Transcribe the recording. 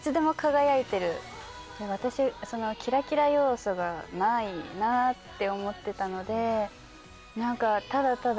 私キラキラ要素がないなって思ってたので何かただただ。